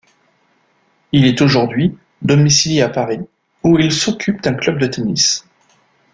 Il est aujourd'hui domicilié à Paris où il s'occupe d'un club de tennis.